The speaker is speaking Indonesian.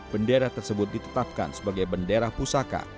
bendera tersebut ditetapkan sebagai bendera pusaka